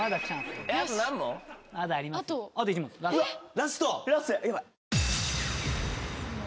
ラスト。